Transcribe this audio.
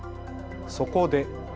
そこで。